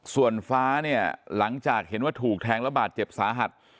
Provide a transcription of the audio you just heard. ส่วนฟ้าเนี่ยหลังจากเห็นว่าถูกแทงระบาดเจ็บสาหัส